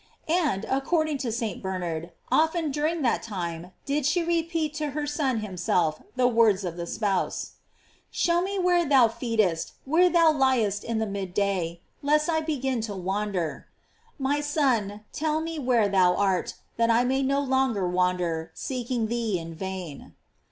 f And, accord ing to St. Bernard, often during that time did she repeat to her Son himself the words of the spouse: "Show me where thou feedest, where thou liest in the mid day, lest I begin to wan der.'^ My Son, tell me where thou art, that I may no longer wander, seeking thee in vain.